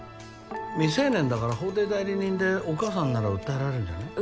未成年だから法定代理人でお母さんなら訴えられるんじゃない？